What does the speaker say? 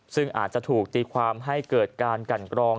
ซึ่งอาจจะถูกตีความให้เกิดการกันกรอง